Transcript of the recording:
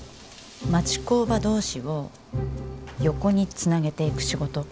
町工場同士を横につなげていく仕事。